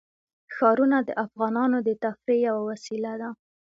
ښارونه د افغانانو د تفریح یوه وسیله ده.